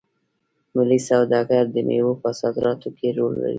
ملي سوداګر د میوو په صادراتو کې رول لري.